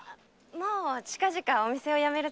もう近々お店を辞めるつもりよ。